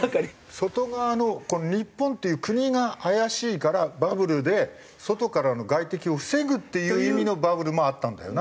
外側のこの日本という国が怪しいからバブルで外からの外敵を防ぐっていう意味のバブルもあったんだよな。